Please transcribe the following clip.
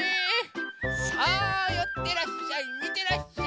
さあよってらっしゃいみてらっしゃい。